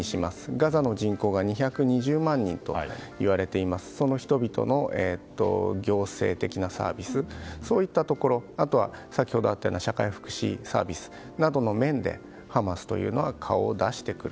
ガザの人口が２２０万人といわれていますがその人々の行政的なサービスやあとは、先ほどあったような社会福祉サービスなどの面でハマスは顔を出してくる。